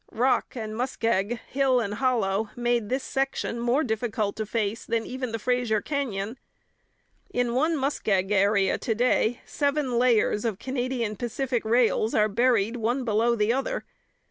Rock and muskeg, hill and hollow, made this section more difficult to face than even the Fraser Canyon. In one muskeg area to day seven layers of Canadian Pacific rails are buried, one below the other.